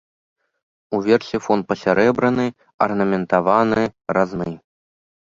Уверсе фон пасярэбраны, арнаментаваны, разны.